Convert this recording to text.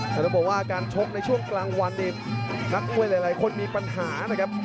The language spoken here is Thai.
แล้วจะบอกว่าการชบในช่วงกลางวันดินักเวลาหลายคนมีปัญหานะครับ